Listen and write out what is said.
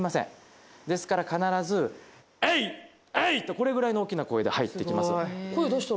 これぐらいの大きな声で入っていきます。